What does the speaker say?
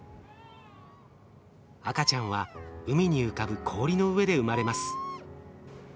赤ちゃんは海に浮かぶ氷の上で生まれます。